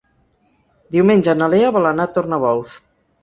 Diumenge na Lea vol anar a Tornabous.